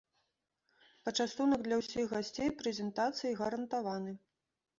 Пачастунак для ўсіх гасцей прэзентацыі гарантаваны.